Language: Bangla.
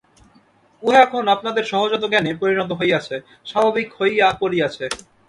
উহা এখন আপনাদের সহজাত জ্ঞানে পরিণত হইয়াছে, স্বাভাবিক হইয়া পড়িয়াছে।